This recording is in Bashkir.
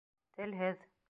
Телһеҙ...